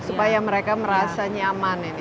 supaya mereka merasa nyaman ini